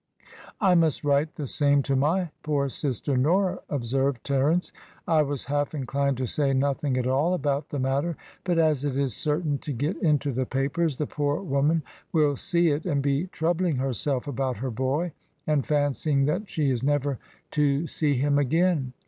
"I must write the same to my poor sister Nora," observed Terence. "I was half inclined to say nothing at all about the matter; but as it is certain to get into the papers, the poor woman will see it and be troubling herself about her boy, and fancying that she is never to see him again.